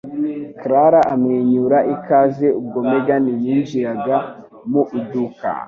Clara amwenyura ikaze ubwo Megan yinjiraga mu iduka.